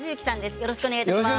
よろしくお願いします。